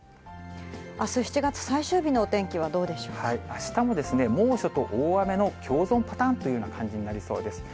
あす７月最終日のお天気はどあしたも猛暑と大雨の共存パターンというような感じになりそうです。